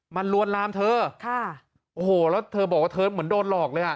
มันลวนลามเธอค่ะโอ้โหแล้วเธอบอกว่าเธอเหมือนโดนหลอกเลยอ่ะ